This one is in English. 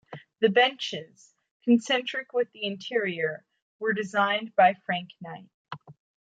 The benches, concentric with the interior, were designed by Frank Knight.